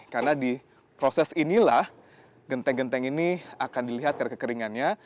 karena di proses inilah genteng genteng ini akan dilihat dari kekeringannya